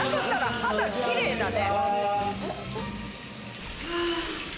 肌きれいだね。